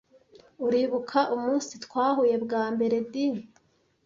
Uribuka umunsi twahuye bwa mbere Di?